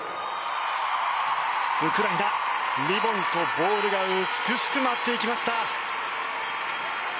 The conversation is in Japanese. ウクライナリボンとボールが美しく舞っていきました。